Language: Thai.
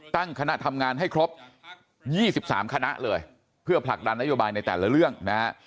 ตั้งคณะทำงานให้ครบ๒๓คณะเลยเพื่อผลักดันนโยบายในแต่ละเรื่องนะฮะ